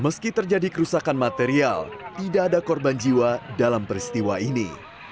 meski terjadi kerusakan material tidak ada korban jiwa dalam peristiwa ini